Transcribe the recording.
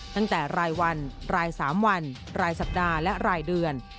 ตั้งแต่รายวันราย๓วันรายสัปดาห์และรายเดือน